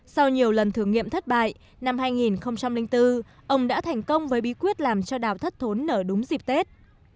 sau nhiều lần thử nghiệm thất bại năm hai nghìn bốn ông đã thành công với bí quyết làm cho đào thất thốn nở đúng dịp tết